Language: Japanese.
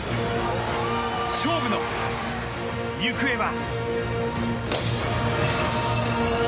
勝負の行方は。